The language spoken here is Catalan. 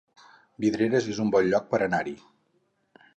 Vidreres es un bon lloc per anar-hi